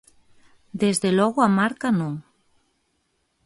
Desde logo a marca non.